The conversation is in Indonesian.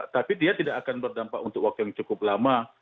tapi dia tidak akan berdampak untuk waktu yang cukup lama